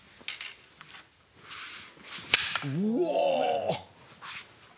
うわ。